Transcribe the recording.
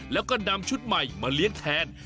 แล้วก็นำชุดใหม่มาเลี้ยงแทน